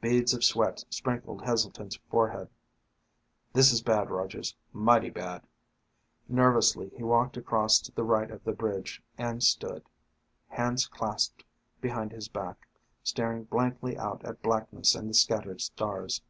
Beads of sweat sprinkled Heselton's forehead. "This is bad, Rogers. Mighty bad." Nervously, he walked across to the right of the bridge and stood, hands clasped behind his back, staring blankly out at blackness and the scattered stars.